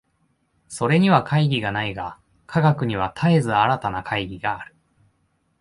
それには懐疑がないが、科学には絶えず新たな懐疑がある。